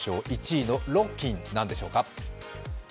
１位のロッキン、何でしょうか。